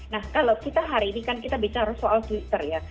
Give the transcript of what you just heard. nah kalau kita hari ini kan kita bicara soal twitter ya